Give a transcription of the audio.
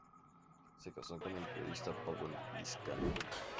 Se casó con el periodista Pablo Lizcano.